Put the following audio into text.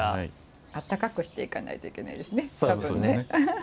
あったかくして行かないといけないですね。